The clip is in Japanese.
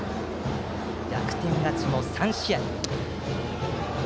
逆転勝ちも３試合。